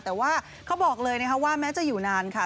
แต่ว่าเขาบอกเลยนะคะว่าแม้จะอยู่นานค่ะ